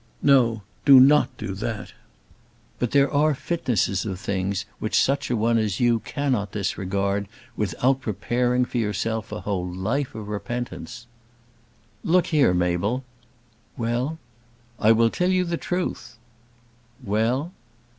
"No; do not do that." "But there are fitnesses of things which such a one as you cannot disregard without preparing for yourself a whole life of repentance." "Look here, Mabel." "Well?" "I will tell you the truth." "Well?"